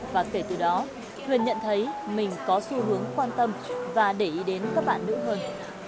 và kể từ đó huyền nhận thấy mình có xu hướng quan tâm và để ý đến các bạn nữ hơn